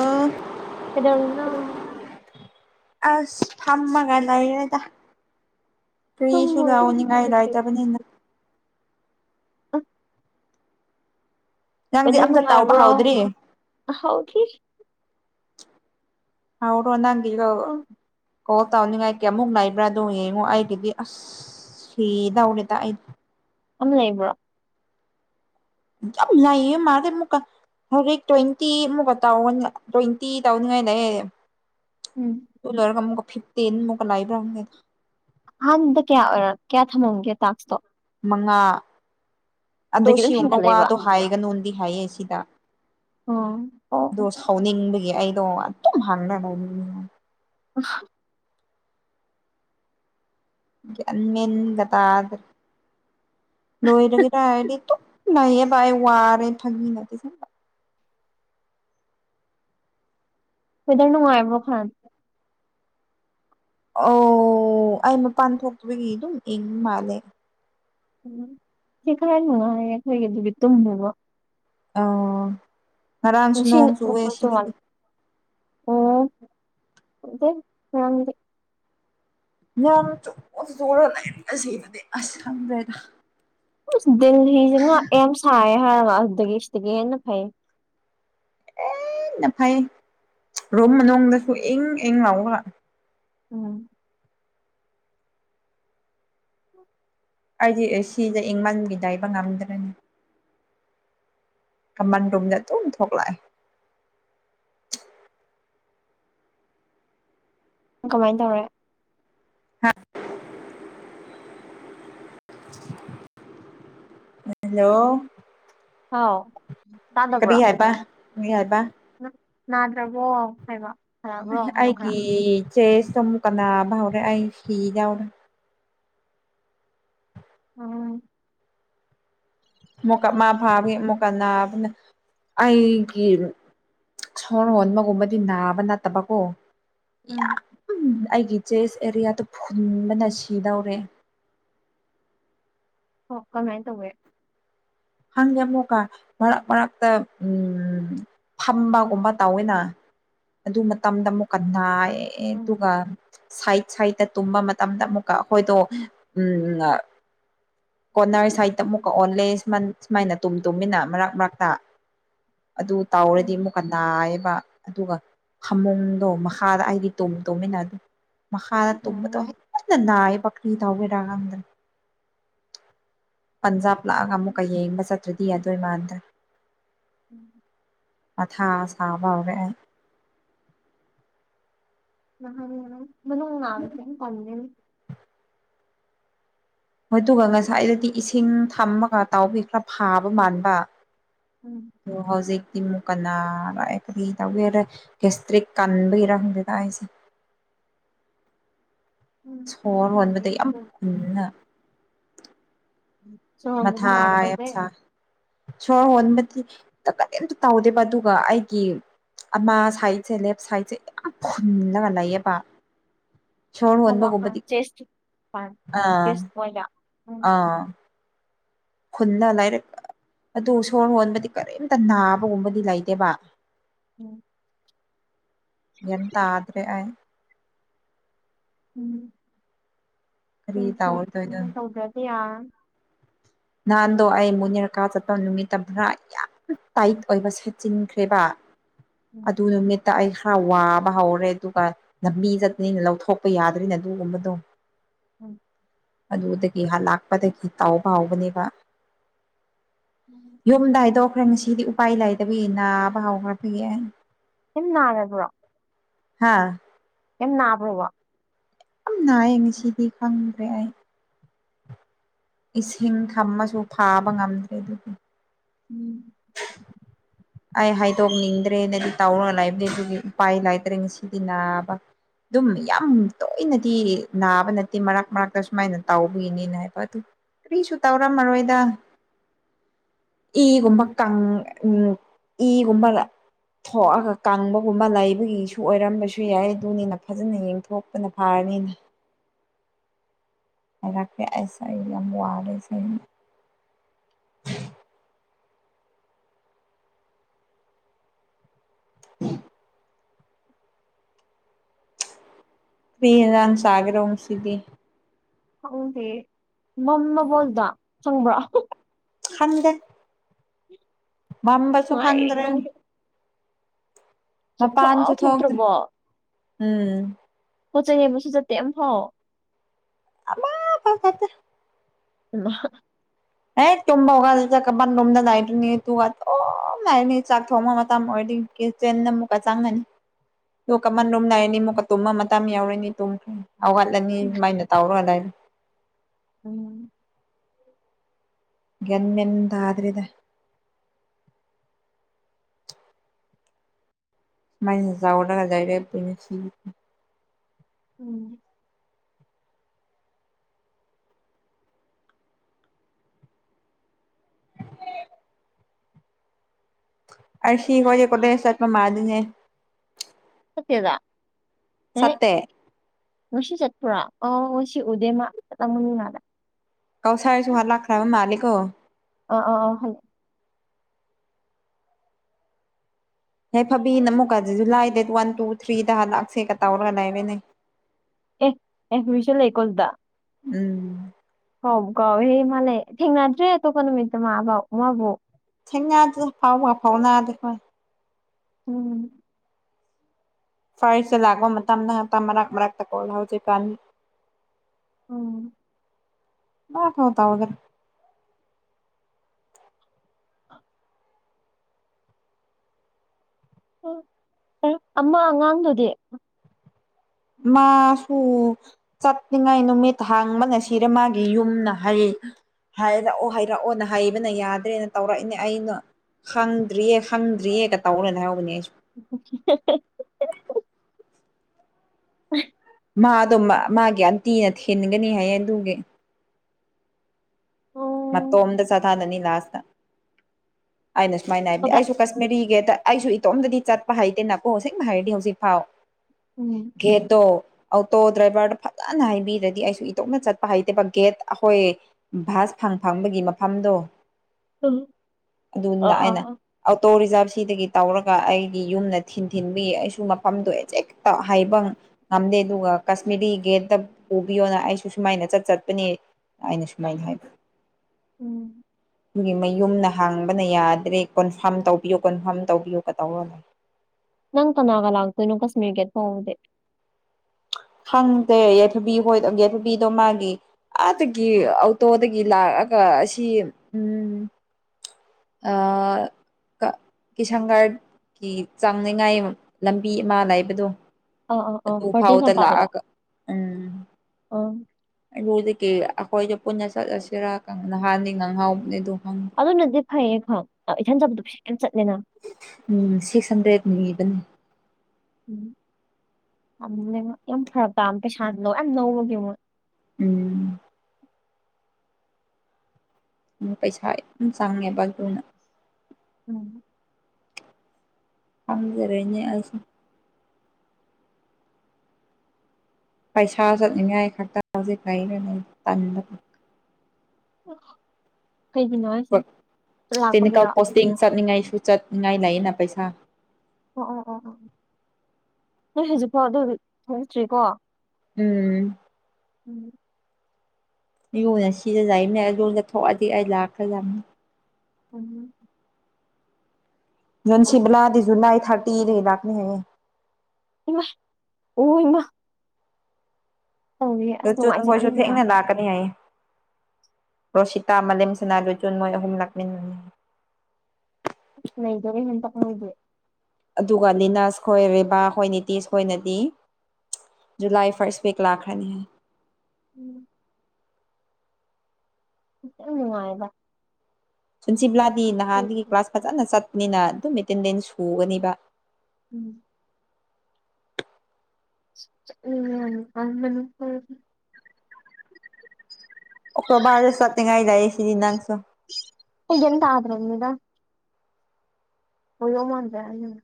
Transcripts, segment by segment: ꯑꯥ ꯀꯩꯗꯧꯔꯤꯅꯣ ꯑꯁ ꯐꯝꯃꯒ ꯂꯩꯔꯦꯗ ꯀ꯭ꯔꯤꯁꯨ ꯇꯨꯝꯃꯨꯔꯦ ꯂꯧꯅꯤꯡꯉꯥꯏ ꯍꯧꯖꯤꯛ ꯂꯩꯇꯕꯅꯤꯅ [inaudible] ꯅꯪꯗꯤ ꯋꯦꯗꯔ ꯑꯝꯇ ꯇꯧꯕ ꯅꯨꯡꯉꯥꯏꯕ꯭ꯔꯣ ꯍꯧꯗ꯭ꯔꯤ ꯍꯧꯖꯤ ꯇꯧꯔꯣ ꯅꯪꯒꯤꯗꯣ ꯑ ꯀꯣꯜ ꯇꯧꯅꯤꯡꯉꯥꯏ ꯀꯌꯥꯃꯨꯛ ꯂꯩꯕ꯭ꯔꯥ ꯑꯗꯨ ꯌꯦꯡꯉꯣ ꯑꯩꯒꯤꯗꯤ ꯑꯁ ꯁꯤꯗꯧꯔꯦꯗ ꯑꯩ ꯑꯣꯟ ꯂꯩꯕ꯭ꯔꯣ ꯌꯥꯝ ꯂꯩꯌꯦ ꯃꯥꯗꯤ ꯑꯃꯨꯛꯀ ꯍꯧꯖꯤꯛ ꯇ꯭ꯋꯦꯟꯇꯤ ꯑꯃꯨꯛꯀ ꯇꯥꯎꯟ ꯇ꯭ꯋꯦꯟꯇꯤ ꯇꯧꯅꯤꯡꯉꯥꯏ ꯂꯩꯌꯦ ꯎꯝ ꯑꯗꯨ ꯂꯣꯏꯔ ꯐꯤꯐꯇꯤ ꯑꯃꯨꯛꯀ [unintelligible] ꯑꯍꯥꯟꯕꯗ ꯀꯌꯥ ꯑꯣꯏ ꯀꯌꯥ ꯊꯝꯃꯝꯒꯦ ꯇꯥꯛꯁꯇꯣ ꯃꯉꯥ ꯑꯗꯣ ꯑꯗꯨꯗꯒꯤ ꯑꯗꯨꯝ ꯁꯤꯒꯨꯝꯕ ꯍꯦꯟꯒꯠꯂꯛꯏꯕ ꯋꯥꯗꯣ ꯍꯥꯏꯒꯅꯨꯗꯤ ꯍꯥꯏꯌꯦ ꯁꯤꯗ ꯑꯣ ꯑꯣ ꯑꯗꯣ ꯁꯥꯎꯅꯤꯡꯕꯒꯤ ꯑꯩꯗꯣ ꯑꯗꯨꯝ ꯍꯥꯡꯅ ꯂꯩꯕꯅꯤꯅ [unintelligible] ꯒ꯭ꯌꯥꯟ ꯃꯦꯟꯒ ꯇꯥꯗꯦ ꯂꯣꯏꯗꯔꯤꯗ ꯑꯩꯗꯤ ꯇꯨꯝ ꯂꯩꯌꯦꯕ ꯑꯩ ꯋꯥꯔꯦ [unintelligible] ꯍꯣꯏꯗꯔ ꯅꯨꯡꯉꯥꯏꯕꯣ ꯈꯥꯟ ꯑꯣ ꯑꯩ ꯃꯄꯥꯟ ꯊꯣꯛꯇꯕꯒꯤ ꯑꯗꯨꯝ ꯏꯪ ꯃꯥꯜꯂꯦ ꯎꯝ ꯁꯤ ꯈꯥꯏ ꯅꯨꯡꯉꯥꯏꯌꯦ ꯑꯈꯣꯏꯒꯤ ꯑꯗꯨꯗꯤ ꯇꯨꯝꯃꯨꯕ ꯑꯣ ꯉꯔꯥꯡꯁꯨ ꯉꯁꯤ ꯅꯣꯡ ꯆꯨꯑꯦ ꯁꯤꯗꯒꯤ ꯆꯣꯡꯉꯜꯂꯦ ꯑꯣ ꯈꯪꯗꯦ ꯃꯌꯥꯝꯗꯤ ꯅꯝ ꯆꯣ ꯆꯣꯔꯒ ꯂꯩꯕꯅꯦ ꯉꯁꯤꯗꯨꯗꯤ ꯑꯁ ꯈꯪꯗ꯭ꯔꯦꯗ ꯉꯔꯥꯡ ꯂꯥꯛꯑꯝꯗꯨꯗꯒꯤ ꯁꯤꯗꯒꯤ ꯍꯦꯟꯅ ꯐꯩꯌꯦ ꯍꯟꯅ ꯐꯩ ꯔꯨꯝ ꯃꯅꯨꯡꯗꯁꯨ ꯏꯪ ꯏꯪ ꯂꯥꯎꯕꯒ ꯎꯝ ꯎꯝ ꯑꯩꯗꯤ ꯑꯦꯁꯤꯅ ꯏꯪꯃꯜꯒꯤ ꯗꯥꯏꯕ ꯉꯝꯗ꯭ꯔꯦꯅꯦ ꯀꯃꯥꯟ ꯔꯨꯝꯗ ꯑꯗꯨꯝ ꯊꯣꯛꯂꯛꯑꯦ ꯀꯃꯥꯏ ꯇꯧꯔꯦ ꯍꯥꯥ ꯍꯜꯂꯣ ꯍꯥꯎ ꯀꯔꯤ ꯇꯥꯗꯕ꯭ꯔꯣ ꯍꯥꯏꯕ ꯃꯤ ꯍꯥꯏꯕ ꯅꯥꯗ꯭ꯔꯕꯣ ꯍꯥꯏꯕ ꯐꯔꯕ꯭ꯔꯣ ꯑꯍ ꯍꯥꯏꯕ ꯑꯩꯒꯤ ꯈꯔ ꯆꯦꯁꯇꯣ ꯑꯃꯨꯀ ꯅꯥꯕ ꯍꯧꯔꯦ ꯑꯩ ꯐꯤ ꯌꯥꯎꯔꯦ ꯎꯝ ꯑꯃꯨꯀ ꯃꯥ ꯚꯥꯕꯒꯤ ꯃꯨꯀꯥ ꯅꯥꯕꯅ ꯑꯩꯒꯤ ꯁꯣꯔ ꯍꯣꯟꯕꯒꯨꯝꯕꯗꯤ ꯅꯥꯕ ꯅꯠꯇꯕꯀꯣ ꯌꯥꯝ ꯎꯝ ꯑꯩꯒꯤ ꯆꯦꯁ ꯑꯦꯔꯤꯌꯥꯗꯣ ꯐꯨꯟꯕꯅ ꯁꯤꯗꯧꯔꯦ ꯑꯣ ꯀꯃꯥꯏ ꯇꯧꯋꯦ ꯈꯪꯒꯦ ꯑꯃꯨꯀ ꯃꯔꯛ ꯃꯔꯛꯇ ꯎꯝ ꯐꯝꯕꯒꯨꯝꯕ ꯇꯧꯋꯦꯅ ꯑꯗꯨ ꯃꯇꯝꯗ ꯑꯃꯨꯛ ꯅꯥꯏꯌꯦ ꯎꯝ ꯑꯗꯨꯒ ꯁꯥꯏꯠ ꯁꯥꯏꯠꯇ ꯇꯨꯝꯕ ꯃꯇꯝꯗ ꯑꯃꯨꯛꯀ ꯑꯩꯈꯣꯏꯗꯣ ꯎꯝ ꯀꯣꯔꯅꯔ ꯁꯥꯏꯠꯇ ꯑꯃꯨꯛꯀ ꯑꯣꯜꯂꯦ ꯁꯨꯃꯟ ꯁꯨꯃꯥꯏꯅ ꯇꯨꯝ ꯇꯨꯝꯃꯤꯟꯅ ꯃꯔꯛ ꯃꯔꯛꯇ ꯑꯗꯨ ꯇꯥꯎꯔꯗꯤ ꯎꯝ ꯑꯃꯨꯛꯀ ꯅꯥꯏꯌꯦꯕ ꯀ ꯑꯗꯨꯒ ꯍꯥꯃꯨꯡꯗꯣ ꯃꯈꯥꯗ ꯑꯩꯗꯤ ꯇꯨꯝ ꯇꯧꯃꯤꯟꯅ ꯑꯗꯨ ꯃꯈꯥꯗ ꯇꯨꯝꯕꯗꯣ ꯎꯝ ꯑꯃꯨꯛ ꯀꯟꯅ ꯅꯥꯏꯌꯦ ꯋꯥꯀꯤꯡ ꯇꯧꯒꯦꯔꯥ ꯉꯝꯗ꯭ꯔꯦ ꯑꯟꯖꯥꯕ ꯂꯥꯛꯑꯒ ꯑꯃꯨꯛ ꯌꯦꯡꯕ ꯆꯠꯇ꯭ꯔꯗꯤ ꯌꯥꯗꯣꯏ ꯃꯥꯟꯗ꯭ꯔꯦ ꯎꯝ ꯃꯊꯥ ꯁꯥꯕ ꯍꯧꯔꯛꯑꯦ ꯍꯜꯂꯣꯕꯤ ꯍꯜꯂꯣ ꯃꯅꯨꯡ ꯉꯥ ꯀꯦꯝ ꯀꯪꯗꯦꯅꯦ ꯃꯣꯢꯗꯨꯒ ꯉꯁꯥꯏꯗꯗꯤ ꯏꯁꯤꯡ ꯊꯝꯃꯒ ꯇꯥꯎꯕꯤ ꯈꯔ ꯐꯥꯕ ꯃꯥꯟꯕ ꯎꯝ ꯇꯨ ꯍꯧꯖꯤꯛ ꯗꯤ ꯑꯃꯨꯀ ꯅꯥꯕ ꯑꯦ ꯀ꯭ꯔꯤ ꯇꯧꯒꯦꯔ ꯒꯦꯁꯇ꯭ꯔꯤꯛ ꯀꯟꯕꯒꯤꯔ ꯈꯪꯗꯦꯗ ꯑꯩꯁꯦ [inaudible] ꯎꯝ ꯁꯣꯔ ꯍꯣꯟꯕꯗ ꯌꯥꯝ ꯀꯨꯢꯅ ꯁꯣꯔꯍꯣꯟꯕꯗꯤ ꯃꯊꯥ ꯅꯥꯕ ꯌꯥꯝ ꯇꯧꯗꯦ ꯁꯥ ꯁꯣꯔ ꯍꯣꯟꯕꯗꯤ ꯇ ꯀꯔꯤꯝꯇ ꯇꯧꯗꯦꯕ ꯑꯗꯨꯒ ꯑꯩꯒꯤ ꯑꯃ ꯁꯥꯏꯠꯁꯦ ꯂꯦꯞ ꯁꯥꯏꯠꯁꯦ ꯌꯥꯝ ꯐꯨꯜꯂꯒ ꯂꯩꯌꯦꯕ ꯁꯣꯔ ꯍꯣꯟꯕꯒꯨꯕꯗꯤ ꯆꯦꯁꯀꯤ ꯄꯥꯟ ꯑꯥ ꯆꯦꯁ ꯃꯣꯏꯗ ꯎꯝ ꯑꯥ ꯈꯨꯟꯗ ꯂꯩꯥꯏꯔꯛꯒ ꯑꯗꯨ ꯁꯣꯔ ꯍꯣꯟꯕꯗꯤ ꯀꯔꯤꯝꯇ ꯅꯥꯕꯒꯨꯝꯕꯗꯤ ꯂꯩꯇꯦꯕ ꯎꯝ ꯒꯤꯌꯟ ꯇꯥꯗ꯭ꯔꯦ ꯑꯩ ꯎꯝ ꯀꯔꯤ ꯌꯦꯡꯊꯣꯛ ꯇꯧꯔꯗꯣꯏꯅꯣ ꯑꯗꯨꯃꯥꯢ ꯇꯧꯗ꯭ꯔꯗꯤ ꯌꯥꯔ ꯅꯍꯥꯟꯗꯣ ꯑꯩ ꯃꯣꯅꯤꯔꯀꯥ ꯆꯠꯄ ꯅꯨꯃꯤꯠꯇ ꯕ꯭ꯔꯥ ꯌꯥꯝ ꯇꯥꯏꯠ ꯑꯣꯏꯕ ꯁꯦꯠꯆꯤꯟꯈ꯭ꯔꯦꯕ ꯎꯝ ꯑꯗꯨ ꯅꯨꯃꯤꯠ ꯇ ꯑꯩ ꯈꯔ ꯋꯥꯕ ꯍꯧꯔꯦ ꯑꯗꯨꯒ ꯂꯝꯕꯤ ꯆꯠꯄꯅꯤꯅ ꯂꯧꯊꯣꯛꯄ ꯌꯥꯗ꯭ꯔꯤꯅꯦ ꯑꯗꯨꯒꯨꯝꯕꯗꯣ ꯎꯝ ꯑꯗꯨꯗꯒꯤ ꯍꯟꯂꯥꯛꯄꯗꯒꯤ ꯇꯥꯎꯕ ꯍꯥꯎꯕꯅꯦꯕ ꯌꯨꯝꯗ ꯍꯥꯏꯗꯣꯛꯈ꯭ꯔꯦ ꯉꯁꯤꯗꯤ ꯎꯄꯥꯏ ꯂꯩꯥꯇꯕꯒꯤ ꯅꯥꯕ ꯍꯧꯎꯈ꯭ꯔꯕꯒꯤ ꯑꯩ ꯅꯪ ꯅꯔꯕꯣ ꯍꯥꯥ ꯅꯕ꯭ꯔꯣꯕ ꯌꯥꯝ ꯅꯥꯏꯌꯦ ꯉꯁꯤꯗꯤ ꯈꯪꯗ꯭ꯔꯦ ꯑꯩ ꯏꯁꯤꯡ ꯊꯝꯃꯁꯨ ꯊꯕ ꯉꯝꯗ꯭ꯔꯦ ꯑꯗꯨꯒꯤ ꯎꯝ ꯑꯩ ꯍꯥꯏꯗꯣꯛꯅꯤꯡꯗ꯭ꯔꯦꯅꯗꯤ ꯇꯥꯎꯔꯒ ꯂꯥꯛꯏꯕꯅꯦ ꯑꯗꯨꯒꯤ ꯎꯄꯥꯏ ꯂꯥꯏꯇ꯭ꯔꯦ ꯉꯁꯤꯗꯤ ꯅꯥꯕ ꯑꯗꯨꯝ ꯌꯥꯝ ꯇꯣꯏꯅꯗꯤ ꯅꯥꯕ ꯅꯠꯇꯦ ꯃꯔꯛ ꯃꯔꯛꯇ ꯁꯨꯃꯥꯏꯅ ꯇꯥꯎꯕꯒꯤꯅꯦꯅ ꯍꯥꯏꯕ ꯑꯗꯨ ꯀꯔꯤꯁꯨ ꯇꯧꯔꯝꯃꯔꯣꯏꯗ ꯏꯒꯨꯝꯕ ꯀꯪ ꯏꯒꯨꯝꯕꯔ ꯊꯣꯛꯑꯒ ꯀꯪꯕꯒꯨꯝꯕ ꯂꯩꯕꯒꯤꯁꯨ ꯑꯣꯏꯔꯝꯕꯁꯨ ꯌꯥꯏ ꯑꯗꯨꯅꯤꯅ ꯐꯖꯅ ꯌꯦꯡꯊꯣꯛꯄꯅ ꯐꯥꯔꯅꯤꯅ [inaudible] ꯍꯥꯏꯔꯥꯛ ꯀꯦ ꯑꯁ ꯑꯩ ꯌꯥꯝ ꯋꯥꯔꯦ ꯑꯁꯦꯡꯕ [inaudible] ꯀꯔꯤ ꯏꯟꯖꯥꯡ ꯆꯒꯦꯔꯣ ꯉꯥꯁꯤꯗꯤ ꯈꯪꯗꯦ ꯃꯝꯃꯕꯣ ꯑꯗꯨꯗ ꯆꯪꯕ꯭ꯔꯣ ꯈꯪꯗꯦ ꯃꯝꯕꯁꯨ ꯅꯨꯡꯉꯥꯏꯔꯤ ꯈꯥꯡꯗ꯭ꯔꯦ ꯅꯪꯁꯦ ꯁꯨꯡꯊꯣꯛ ꯃꯄꯥꯟꯁꯨ ꯊꯣꯛꯇ꯭ꯔꯦ ꯊꯣꯛꯇ꯭ꯔꯕꯣ ꯎꯝ ꯄꯣꯠꯆꯩ ꯂꯩꯕꯁꯨ ꯆꯠꯇꯦ ꯑꯃ ꯐꯥꯎ ꯑꯃꯐꯥꯎ ꯆꯠꯇꯦ ꯏꯃ ꯍꯥ ꯑꯦ ꯇꯨꯝ ꯍꯧꯒꯠꯄꯒ ꯆꯠꯀ ꯃꯥ ꯕꯔꯨꯝꯗ ꯂꯩꯔꯅꯤ ꯑꯗꯨꯒ ꯑꯗꯨꯝ ꯂꯩꯔꯅꯤ ꯑꯗꯨꯒ ꯆꯛ ꯊꯣꯛ ꯃꯇꯝ ꯑꯣꯏ ꯇꯤꯝ ꯀꯤꯆꯟ ꯑꯃꯨꯛꯀ ꯆꯥꯡꯉꯅꯤ ꯅꯨ ꯀꯃꯟ ꯔꯣꯝ ꯅꯥꯔꯅꯤ ꯃꯨꯛꯀ ꯇꯨꯝꯃ ꯃꯇꯝ ꯌꯥꯎꯔꯅꯤ ꯇꯨꯝꯈ꯭ꯔꯦ ꯍꯧꯒꯠꯂꯅꯤ ꯁꯃꯥꯏꯅ ꯇꯧꯔ ꯂꯩꯔꯅꯤ ꯎꯝ ꯒꯤꯌꯟ ꯃꯦꯟꯒ ꯇꯗ꯭ꯔꯦꯗ [unintelligible] ꯎꯝ ꯑꯔꯁꯤ ꯈꯣꯏꯗꯤ ꯀꯣꯂꯦꯖ ꯆꯥꯠꯄ ꯃꯂꯤꯅꯦ ꯆꯠꯇꯦꯕ ꯍꯥꯏꯠ ꯉꯁꯤ ꯆꯠꯄ꯭ꯔꯣ ꯑꯥꯎ ꯉꯁꯤ ꯎꯗꯦ ꯃꯥ ꯆꯠꯂꯝꯒꯅꯤ ꯃꯥꯂꯦ ꯀꯧꯁꯥꯏꯁꯨ ꯍꯂꯥꯛꯈ꯭ꯔꯕ ꯃꯥꯂꯦꯀꯣ ꯑꯥ ꯑꯥ ꯑꯥ ꯍꯧ ꯌꯥꯏꯐꯥꯕꯤꯅ ꯑꯃꯨꯛꯀ ꯖꯨꯂꯥꯏ ꯗꯦ ꯋꯥꯟ ꯇꯨ ꯊ꯭ꯔꯤꯗ ꯂꯥꯛꯁꯦꯒ ꯇꯧꯔꯒ ꯂꯩꯔꯦꯅꯦ ꯑꯦ ꯑꯦ ꯌꯥꯏꯐꯕꯤꯁꯨ ꯂꯩꯀꯣ ꯑꯗꯨꯗ ꯎꯝ ꯀꯥꯎꯕꯨ ꯀꯥꯎꯏꯍꯦ ꯃꯥ ꯂꯩ ꯊꯦꯡꯅꯗ꯭ꯔꯦ ꯇꯣꯄ ꯅꯨꯃꯤꯠꯇ ꯃꯥ ꯃꯥꯕꯨ ꯊꯦꯡꯅꯗꯦ ꯐꯥꯎꯕ ꯐꯥꯎꯅꯗꯦ ꯎꯝ ꯁ꯭ꯋꯥꯏꯁꯦ ꯂꯥꯛꯄ ꯃꯇꯝꯅꯤ ꯍꯟꯗꯛ ꯃꯔꯛ ꯃꯔꯛꯇ ꯀꯣꯜ ꯍꯧꯖꯤꯛꯀꯟ ꯎꯝ ꯑꯣ ꯀꯣꯜ ꯇꯧꯒꯅꯤ ꯑꯃ ꯑꯉꯥꯡꯗꯨꯗꯤ ꯃꯥꯁꯨ ꯆꯠꯅꯤꯡꯉꯥꯏ ꯅꯨꯃꯤꯠ ꯍꯥꯡꯕꯅ ꯁꯤꯔ ꯃꯥꯒꯤ ꯌꯨꯝꯅ ꯍꯥꯏ ꯍꯥꯏꯔꯛꯑꯣ ꯍꯥꯏꯩꯔꯛꯑꯣꯅ ꯍꯩꯕꯅ ꯌꯥꯗ꯭ꯔꯦꯅ ꯇꯧꯔꯛꯏꯅꯦ ꯑꯩꯅ ꯈꯪꯗ꯭ꯔꯤꯌꯦ ꯈꯪꯗ꯭ꯔꯤꯌꯦꯒ ꯇꯧꯔꯅ ꯂꯩꯍꯧꯕꯅꯦ ꯑꯩꯁꯨ [unintelligible] [unintelligible] ꯃꯥꯗꯣ ꯃꯥꯒꯤ ꯑꯟꯇꯤꯅ ꯊꯤꯟꯒꯅꯤ ꯍꯥꯏꯌꯦ ꯑꯗꯨꯒꯤ ꯃꯇꯣꯝꯇ ꯆꯥꯊꯥꯅꯅꯤ ꯂꯥꯁꯇ ꯑꯩꯅ ꯁꯨꯃꯥꯏꯅ ꯍꯥꯏꯕꯗꯤ ꯀꯗꯥꯏ ꯑꯩꯁꯨ ꯀꯥꯁꯃꯤꯔꯤ ꯒꯤ ꯑꯩꯁꯨ ꯏꯇꯣꯝꯗꯗꯤ ꯆꯠꯄ ꯍꯥꯏꯇꯦꯅꯀꯣ ꯍꯧꯖꯤꯛ ꯍꯥꯏꯔꯗꯤ ꯍꯧꯖꯤꯛ ꯐꯥꯎ ꯎꯝ ꯒꯦꯠꯇꯣ ꯑꯣꯇꯣ ꯗ꯭ꯔꯥꯏꯚꯔꯗꯣ ꯐꯖꯅ ꯍꯥꯏꯕꯤꯔꯗꯤ ꯑꯩꯁꯨ ꯏꯇꯣꯛꯅ ꯆꯠꯄ ꯍꯩꯇꯦꯕ ꯒꯦꯠ ꯑꯩꯈꯣꯏ ꯚꯁ ꯐꯪ ꯐꯪꯕꯒꯤ ꯃꯐꯝꯗꯣ ꯑꯥ ꯑꯗꯨꯅ ꯑꯥ ꯑꯩꯅ ꯑꯥ ꯑꯣꯇꯣ ꯄꯖꯥꯁꯤꯗꯒꯤ ꯇꯧꯔꯒ ꯑꯩꯒꯤ ꯌꯨꯝꯗ ꯊꯤꯟ ꯊꯤꯟꯕꯤ ꯑꯩꯁꯨ ꯃꯐꯝꯗꯣ ꯑꯦꯍꯦꯛꯇ ꯍꯥꯏꯐꯝ ꯉꯝꯗꯦ ꯑꯗꯨꯒ ꯀꯥꯁꯃꯤꯔꯤ ꯒꯦꯠꯇ ꯄꯨꯕꯤꯌꯣꯅ ꯑꯩꯁꯨ ꯁꯨꯃꯥꯏꯅ ꯆꯠ ꯆꯠꯄꯅꯦ ꯑꯩꯅ ꯁꯨꯃꯥꯏꯅ ꯍꯥꯏꯕ ꯎꯝ ꯑꯗꯨꯒꯤ ꯃꯌꯨꯝꯅ ꯍꯥꯡꯕꯅ ꯌꯥꯗ꯭ꯔꯦ ꯀꯣꯟꯐꯥꯝ ꯇꯧꯕꯤꯌꯨ ꯀꯣꯟꯐꯥꯝ ꯇꯧꯕꯤꯌꯨ ꯀꯗꯧꯔ [inaudible] ꯅꯪ ꯀꯅꯒ ꯂꯥꯥꯛꯇꯣꯏꯅ ꯀꯁꯃꯤꯔ ꯒꯦꯠ ꯐꯎꯗꯤ ꯈꯪꯗꯦ ꯌꯥꯏꯐꯕꯤ ꯍꯣꯏ ꯌꯥꯏꯐꯕꯤꯗꯣ ꯃꯥꯒꯤ ꯑꯥꯗꯒꯤ ꯑꯣꯇꯣꯗꯒꯤ ꯂꯥꯛꯑꯒ ꯑꯁꯤ ꯎꯝ ꯑꯥ ꯀꯤꯁꯪꯒꯥꯔꯒꯤ ꯆꯥꯡꯅꯤꯉꯥꯏ ꯂꯝꯕꯤ ꯑꯃ ꯂꯩꯕꯗꯣ ꯑꯥ ꯑꯥ ꯑꯥ ꯑꯗꯨ ꯄꯔꯗꯦꯁ ꯐꯥꯎꯗ ꯃꯄꯥꯗꯨꯔꯣ ꯂꯥꯛꯑꯒ ꯎꯝ ꯑꯥ ꯑꯗꯨꯗꯀꯤ ꯑꯩꯈꯣꯏꯗꯣ ꯄꯨꯟꯅ ꯆꯠꯂꯁꯤꯔ ꯅꯍꯥꯟꯗꯤ ꯉꯥꯡꯍꯧꯕꯅꯦꯗꯣ ꯑꯗꯨꯅꯗꯤ ꯐꯩꯌꯦ ꯈꯪ ꯏꯊꯟ ꯆꯠꯄꯗꯨ ꯆꯠ ꯎꯝ ꯁꯤꯛꯁ ꯍꯟꯗ꯭ꯔꯦꯠ ꯅꯤꯕꯅꯤ ꯎꯝ ꯑꯗꯨꯅꯦꯕ ꯌꯥꯝ ꯐꯔꯛ ꯇꯥꯝꯅꯦ ꯄꯩꯁꯥꯁꯨ ꯂꯣꯏ ꯌꯥꯝ ꯂꯧꯕꯒꯤ ꯃꯨꯛ ꯎꯝ ꯄꯩꯁꯥ ꯌꯥꯝ ꯆꯪꯉꯦꯕ ꯑꯗꯨꯅ ꯎꯝ ꯈꯪꯗꯔꯦꯅꯦ ꯑꯩꯁꯨ ꯄꯩꯁꯥ ꯆꯠꯅꯤꯡꯉꯥꯏ ꯈꯛꯇ ꯍꯧꯖꯤꯛ ꯄꯩꯔ ꯂꯩ ꯇꯥꯟꯕꯅ [unintelligible] ꯍꯥꯏꯁꯦ ꯇꯦꯛꯅꯤꯀꯦꯜ ꯂꯥꯛꯄꯒꯤꯔꯣ ꯄꯣꯁꯇꯤꯡ ꯆꯠꯅꯤꯡꯉꯥꯏꯁꯨ ꯆꯠꯅꯤꯡꯉꯥꯏ ꯂꯩꯌꯦꯅ ꯄꯩꯁꯥ ꯑꯣ ꯑꯣ ꯑꯣ ꯑꯣ ꯅꯣꯏ ꯍꯧꯖꯤꯛ ꯐꯥꯎ ꯑꯗꯨꯒꯤ ꯊꯣꯛꯇ꯭ꯔꯤꯀꯣ ꯎꯝ ꯎꯝ ꯌꯨꯝꯅ ꯁꯤꯗ ꯂꯩꯕꯅꯦ ꯑꯗꯣꯝꯗ ꯊꯣꯛꯑꯗꯤ ꯑꯩ ꯂꯥꯛꯈ꯭ꯔꯗ ꯎꯝ ꯌꯟꯁꯤꯕꯂꯥꯗꯤ ꯖꯨꯂꯥꯏ ꯊꯥꯔꯇꯤ ꯗꯒꯤ ꯂꯥꯛꯅꯦ ꯍꯥꯏꯌꯦ ꯏꯃ ꯍꯣ ꯏꯃ ꯑꯗꯨ ꯆꯠꯂꯨ ꯈꯣꯏꯁꯨ ꯅꯨꯡꯉꯥꯏꯖꯔꯝꯅꯤꯗ ꯊꯦꯡꯅ ꯂꯥꯛꯀꯅꯤ ꯍꯥꯏꯌꯦ ꯔꯣꯁꯤꯇꯥ ꯃꯥꯂꯦꯝꯁꯤꯅꯥ ꯂꯨꯆꯨ ꯃꯣꯏ ꯑꯍꯨꯝ ꯂꯥꯛꯃꯤꯟꯅꯅꯤ [unintelligible] ꯑꯗꯨꯒ ꯂꯤꯅꯥꯁ ꯈꯣꯏ ꯔꯦꯕꯥ ꯈꯣꯏ ꯅꯤꯇꯤꯁ ꯈꯣꯏꯅꯗꯤ ꯖꯨꯂꯥꯏ ꯐꯥꯔꯁ ꯋꯤꯛ ꯂꯥꯛꯈ꯭ꯔꯅꯤ ꯎꯝ ꯅꯨꯡꯉꯥꯏꯕ ꯁꯨꯟꯁꯤꯕꯂꯥꯗꯤ ꯅꯍꯥꯟꯗꯒꯤ ꯎꯝ ꯀ꯭ꯂꯥꯁ ꯐꯖꯅ ꯆꯠꯄꯅꯤꯅ ꯑꯗꯨꯝ ꯑꯦꯇꯦꯟꯗꯦꯟꯁ ꯁꯨꯒꯅꯦꯕ ꯎꯝ [unintelligible] ꯇꯟꯕꯅꯤꯀꯣ ꯑꯣꯛꯇꯣꯕꯔꯗ ꯆꯠꯅꯤꯡꯉꯥꯏ ꯂꯩꯁꯤꯗꯤ ꯅꯪꯁꯨ [unintelligible] ꯑꯣꯏꯗꯧ ꯃꯥꯟꯗꯦ ꯍꯥꯏꯒꯤꯕꯅꯤ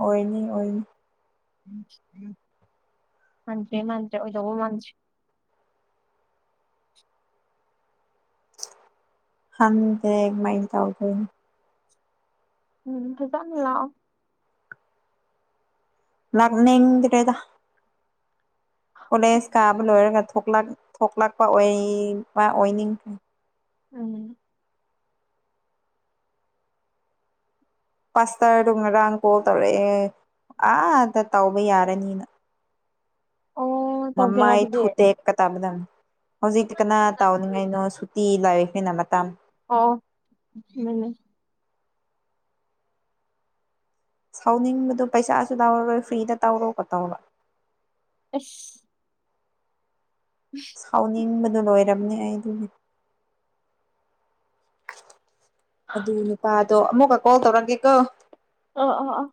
ꯑꯣꯏꯅꯤ ꯑꯣꯏꯅꯤ ꯃꯥꯟꯗ꯭ꯔꯦ ꯃꯥꯟꯗ꯭ꯔꯦ ꯑꯣꯏꯗꯧ ꯃꯥꯟꯗ꯭ꯔꯦ ꯈꯪꯗꯦ ꯀꯃꯥꯏ ꯇꯧꯗꯣꯏꯅꯣ ꯎꯝ ꯐꯖꯅ ꯂꯥꯛꯑꯣ ꯂꯥꯛꯅꯤꯡꯗ꯭ꯔꯦꯔ ꯀꯣꯜꯂꯦꯖ ꯀꯥꯕ ꯂꯣꯏꯔꯒ ꯊꯣꯛꯂꯛꯄꯕ ꯑꯣꯏꯕ ꯑꯣꯏꯅꯤꯡꯈ꯭ꯔꯦ ꯎꯝ ꯄꯥꯁꯇ꯭ꯔꯗꯣ ꯉꯔꯥꯡ ꯀꯣꯜ ꯇꯧꯔꯛꯑꯦ ꯑꯥꯗ ꯇꯧꯕ ꯌꯥꯔꯅꯤꯅ ꯑꯣ ꯇꯧꯒꯦꯔꯥ ꯃꯃꯥꯏ ꯑꯗꯨꯗꯤ ꯊꯨꯗꯦꯛꯀꯗꯕꯅꯤ ꯍꯧꯖꯤꯛꯇꯤ ꯀꯅꯥ ꯇꯧꯅꯤꯡꯉꯥꯏꯅꯣ ꯁꯨꯇꯤ ꯂꯩꯕꯅꯤꯅ ꯃꯇꯝ ꯑꯣ ꯑꯗꯨꯅꯤ ꯁꯥꯎꯅꯤꯡꯕꯗꯣ ꯄꯩꯁꯥꯁꯨ ꯂꯧꯔꯔꯣꯏ ꯐ꯭ꯔꯤꯗ ꯇꯧꯔꯣꯀꯣ ꯇꯧꯔ ꯏꯁ ꯁꯥꯎꯅꯤꯡꯕ ꯂꯣꯏꯔꯝꯅꯤ ꯑꯩꯗꯤ ꯑꯗꯨ ꯅꯨꯄꯥꯗꯣ ꯑꯃꯨꯛꯀ ꯀꯣꯜ ꯇꯧꯔꯛꯀꯦꯀꯣ ꯑꯥ ꯑꯥ ꯑꯥ